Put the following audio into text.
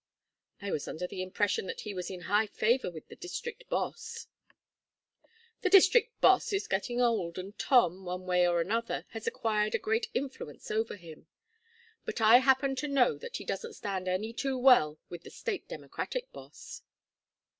"I was under the impression that he was in high favor with the district Boss " "The district Boss is getting old, and Tom, one way or another, has acquired a great influence over him; but I happen to know that he doesn't stand any too well with the State Democratic Boss."